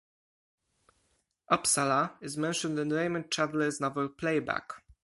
Uppsala is mentioned in Raymond Chandler' s novel "Playback".